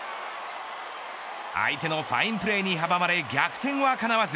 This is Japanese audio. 相手のファインプレーに阻まれ逆転はかなわず。